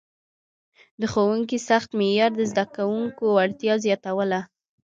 د ښوونکي سخت معیار د زده کوونکو وړتیا زیاتوله.